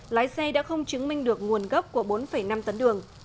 lái xe đã không chứng minh được nguồn gốc của bốn năm tấn đường